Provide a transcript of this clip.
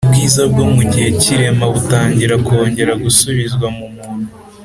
ubwiza bwo mu gihe cy’irema butangira kongera gusubizwa mu muntu